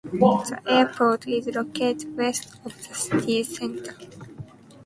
The airport is located west of the city centre.